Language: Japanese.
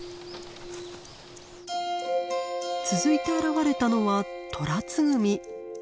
続いて現れたのはトラツグミ。